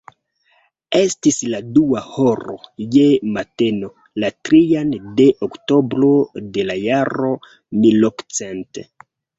Estis la dua horo je mateno, la trian de oktobro de la jaro milokcent..